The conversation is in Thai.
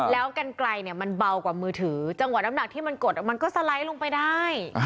แล้วกันไกลเนี่ยมันเบากว่ามือถือจังหวะน้ำหนักที่มันกดมันก็สไลด์ลงไปได้